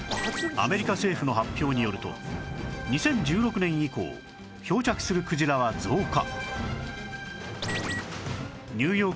アメリカ政府の発表によると２０１６年以降漂着するクジラは増加